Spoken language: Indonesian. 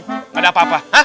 nggak ada apa apa